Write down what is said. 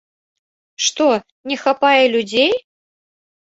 Што, не хапае людзей?